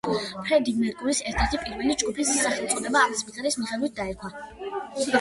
ფრედი მერკურის ერთ-ერთ პირველ ჯგუფს სახელწოდება ამ სიმღერის მიხედვით დაერქვა.